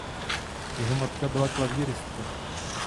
Jeho matka byla klavíristka.